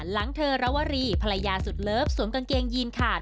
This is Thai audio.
หลังเธอระวรีภรรยาสุดเลิฟสวมกางเกงยีนขาด